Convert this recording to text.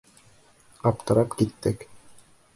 Аптырап киттек.